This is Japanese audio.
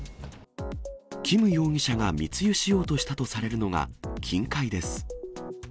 キム容疑者が密輸しようとしたとされるのが、金塊です。